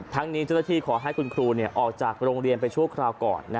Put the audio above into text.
นี้เจ้าหน้าที่ขอให้คุณครูออกจากโรงเรียนไปชั่วคราวก่อน